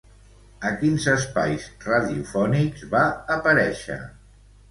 A quins espais radiofònics va aparèixer?